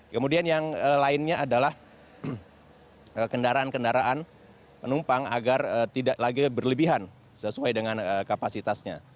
kemudian yang lainnya adalah kendaraan kendaraan penumpang agar tidak lagi berlebihan sesuai dengan kapasitasnya